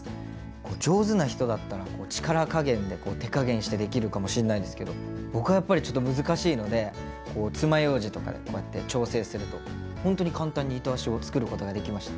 上手な人だったら力加減で手加減してできるかもしんないんですけど僕はやっぱりちょっと難しいのでこうつまようじとかでこうやって調整するとほんとに簡単に糸足を作ることができました。